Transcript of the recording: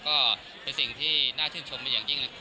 ก็เป็นสิ่งที่น่าชื่นชมเป็นอย่างยิ่งเลย